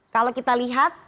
kalau kita lihat